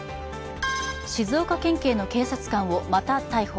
静岡県警の警察官をまた逮捕。